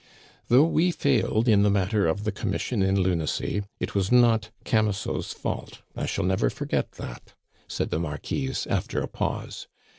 "Though we failed in the matter of the Commission in Lunacy, it was not Camusot's fault, I shall never forget that," said the Marquise after a pause.